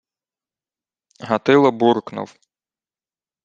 Гатило буркнув: